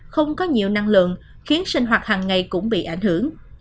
không có nhiều năng lượng khiến sinh hoạt hàng ngày cũng bị ảnh hưởng